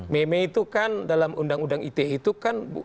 meme itu kan dalam undang undang ite itu kan